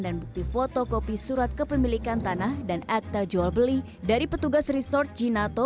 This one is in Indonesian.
dan bukti foto kopi surat kepemilikan tanah dan akta jual beli dari petugas resort jinato